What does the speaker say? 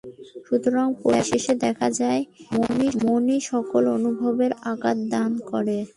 সুতরাং পরিশেষে দেখা যায়, মনই সকল অনুভবের আকার দান করে।